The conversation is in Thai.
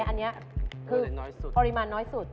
อันนี้คือปริมาณน้อยสุด